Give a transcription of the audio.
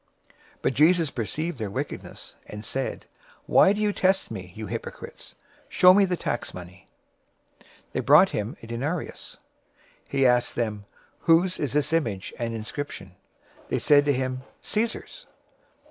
022:018 But Jesus perceived their wickedness, and said, "Why do you test me, you hypocrites? 022:019 Show me the tax money." They brought to him a denarius. 022:020 He asked them, "Whose is this image and inscription?" 022:021 They said to him, "Caesar's."